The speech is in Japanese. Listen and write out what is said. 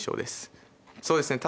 そうですね